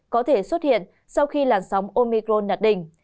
có thể xuất hiện sau khi làn sóng omicron nạt đỉnh